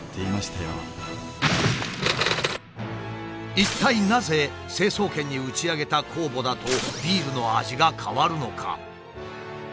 一体なぜ成層圏に打ち上げた酵母だとビールの味が変わるのか？